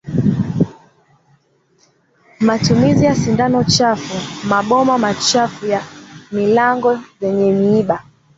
Matumizi ya sindano chafu maboma machafu au milango zenye miiba